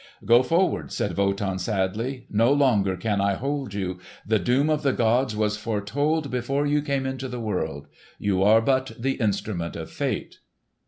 "Go forward!" said Wotan sadly. "No longer can I hold you. The doom of the gods was foretold before you came into the world. You are but the instrument of fate."